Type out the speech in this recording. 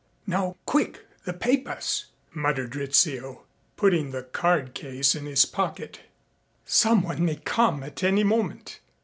Now quick, the papers," muttered Rizzio, putting the card case in his pocket. "Someone may come at any moment."